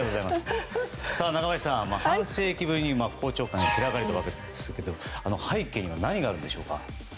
中林さん、半世紀ぶりに公聴会が開かれたわけですが背景には何があるのでしょうか。